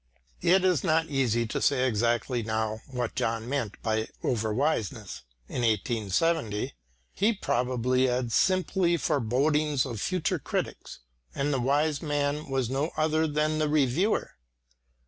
It is not easy to say exactly now what John meant by "overwiseness" in 1870. He probably had simply forebodings of future critics, and the "wise man" was no other than the reviewer.